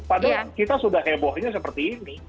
padahal kita sudah hebohnya seperti ini